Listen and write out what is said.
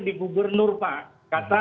di gubernur pak kata